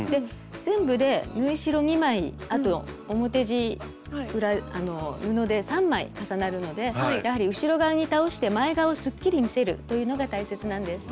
全部で縫い代２枚あと表地あの布で３枚重なるのでやはり後ろ側に倒して前側をすっきり見せるというのが大切なんです。